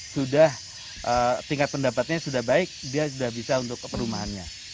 sudah tingkat pendapatnya sudah baik dia sudah bisa untuk ke perumahannya